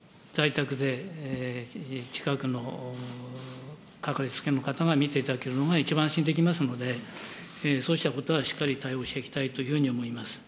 そして、できるだけ在宅で、近くの、かかりつけの方が診ていただけるのが、一番安心できますので、そうしたことはしっかり対応していきたいというふうに思います。